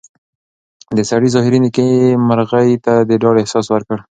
د سړي ظاهري نېکۍ مرغۍ ته د ډاډ احساس ورکړ.